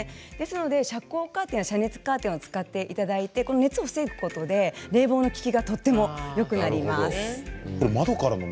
遮光カーテンや遮熱カーテンを使っていただいて熱を防ぐことで冷房の効きがとてもよくなります。